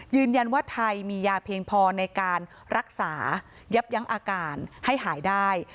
ยืนยันว่าไทยมียาเพียงพอในการรักษายับยั้งอาการให้หายได้